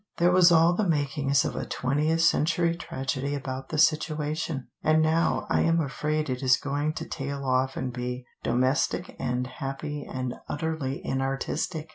"There was all the makings of a twentieth century tragedy about the situation, and now I am afraid it is going to tail off and be domestic and happy and utterly inartistic.